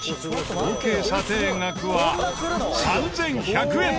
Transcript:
合計査定額は３１００円。